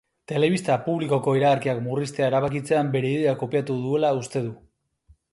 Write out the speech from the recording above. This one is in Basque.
Telebista publikoko iragarkiak murriztea erabakitzean bere ideia kopiatu duela uste du.